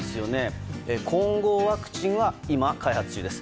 混合ワクチンは今、開発中です。